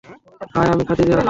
High, আমি খাদিজাহ।